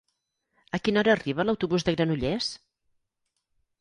A quina hora arriba l'autobús de Granollers?